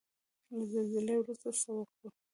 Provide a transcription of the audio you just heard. له زلزلې وروسته څه وکړو؟